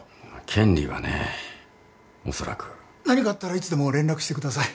権利はねおそらく。何かあったらいつでも連絡してください。